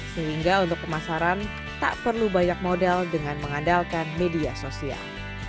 sehingga untuk pemasaran tak perlu banyak model dengan mengandalkan media sosial